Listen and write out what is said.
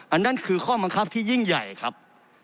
อันนั้นคือข้อบังคับที่ยิ่งใหญ่ครับ